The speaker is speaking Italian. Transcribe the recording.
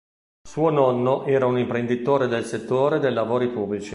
Suo nonno era un imprenditore del settore dei lavori pubblici.